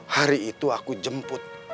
hari itu aku jemput